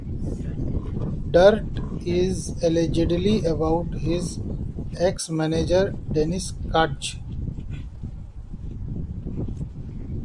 "Dirt" is allegedly about his ex-manager, Dennis Katz.